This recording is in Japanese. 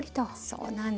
そうなんです。